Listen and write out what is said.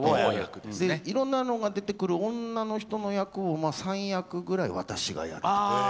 いろんなのが出てくる女の人の役を３役ぐらい、私がやります。